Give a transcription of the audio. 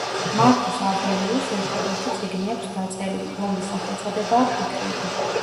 მარკუს ავრელიუსს ერთადერთი წიგნი აქვს დაწერილი რომლის სახელწოდებაა ,,ფიქრები"